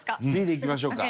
Ｂでいきましょうか。